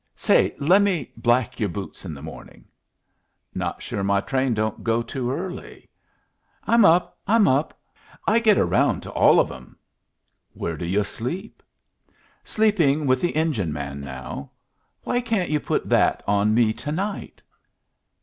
Say, lemme black your boots in the morning?" "Not sure my train don't go too early." "I'm up! I'm up! I get around to all of 'em." "Where do yu' sleep?" "Sleeping with the engine man now. Why can't you put that on me to night?"